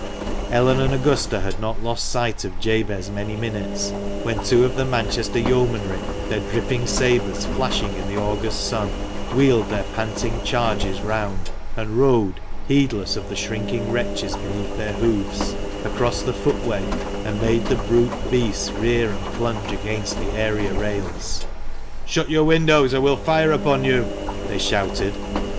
Ellen and Augusta had not lost sight of Jabez many minutes when two of the Manchester Yeomanry, their dripping sabres flashing in the August sun, wheeled their panting charges round, and rode (heedless of the shrinking wretches beneath their hoofs) across the footway, and made the brute beasts rear and plunge against the area rails. "Shut your windows, or we'll fire upon you!" they shouted.